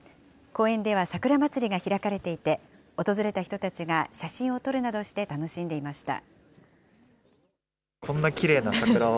公園ではさくら祭りが開かれていて、訪れた人たちが写真を撮るなどして楽しんでいました。